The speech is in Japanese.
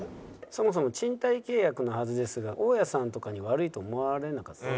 「そもそも賃貸契約のはずですが大家さんとかに悪いと思われなかった？」。